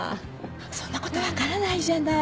そんな事わからないじゃない。